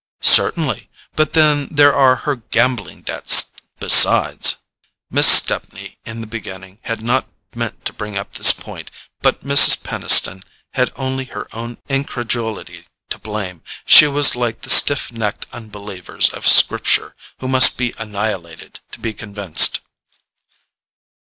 "Certainly; but then there are her gambling debts besides." Miss Stepney, in the beginning, had not meant to bring up this point; but Mrs. Peniston had only her own incredulity to blame. She was like the stiff necked unbelievers of Scripture, who must be annihilated to be convinced.